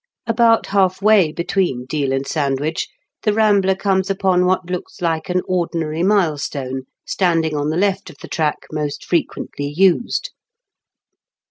About halfway between Deal and Sand wich, the rambler comes upon what looks like an ordinary milestone, standing on the left of the track most frequently used.